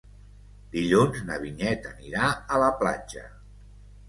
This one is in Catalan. Dilluns na Vinyet anirà a la platja.